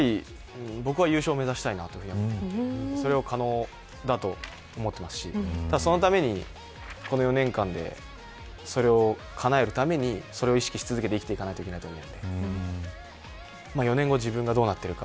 やっぱり僕は優勝を目指したいなと思っていてそれは可能だと思ってますしただ、そのためにこの４年間でそれをかなえるために、それを意識し続けて生きていかないといけないと思うんで４年後自分がどうなっているか。